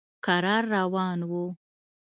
کرار روان و.